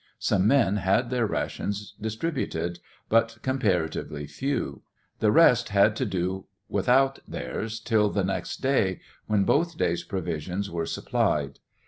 Some men had their rations distributed, but comparatively few. The rest had to do without theirs till the next day, when both days' provisions were supplied.